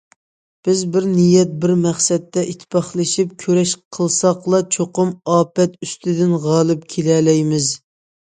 بىز بىر نىيەت، بىر مەقسەتتە ئىتتىپاقلىشىپ كۈرەش قىلساقلا چوقۇم ئاپەت ئۈستىدىن غالىپ كېلەلەيمىز.